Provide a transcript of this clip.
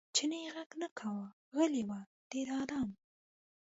چیني غږ نه کاوه غلی و ډېر ارام.